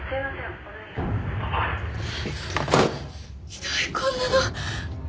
ひどいこんなの！